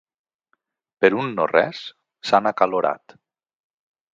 Per un no res, s'han acalorat.